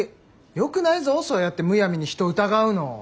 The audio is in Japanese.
よくないぞそうやってむやみに人を疑うの。